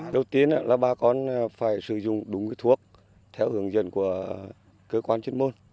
đầu tiên là bà con phải sử dụng đúng thuốc theo hướng dẫn của cơ quan chuyên môn